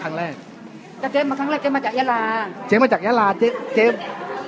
ครั้งแรกแต่เจ๊มาครั้งแรกเจ๊มาจากยาลาเจ๊มาจากยาลาเจ๊เจ๊